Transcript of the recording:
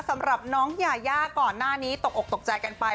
สำหรับน้องยายาก่อนหน้านี้ตกอกตกใจกันไป